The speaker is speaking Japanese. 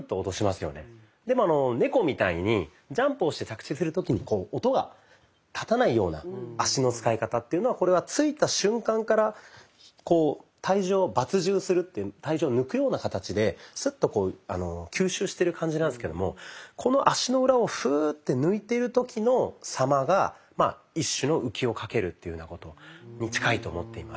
でも猫みたいにジャンプをして着地する時に音がたたないような脚の使い方というのはこれは着いた瞬間から体重を抜重するっていう体重を抜くような形でスッと吸収してる感じなんですけどもこの足の裏をフーッて抜いてる時の様が一種の「浮きをかける」っていうふうなことに近いと思っています。